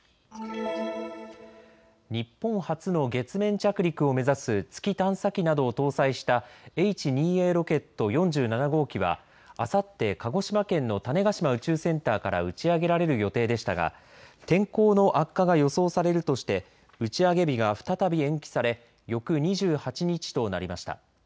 日本初の月面着陸を目指す月探査機などを搭載したＨ２Ａロケット４７号機はあさって鹿児島県の種子島宇宙センターから打ち上げられる予定でしたが天候の悪化が予想されるとして打ち上げ日が再び延期され翌２８日となりました。